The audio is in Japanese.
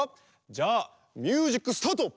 じゃあミュージックスタート！